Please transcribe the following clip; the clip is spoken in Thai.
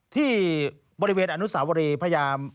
ที่บริเวณอนุสาวรีพยายาม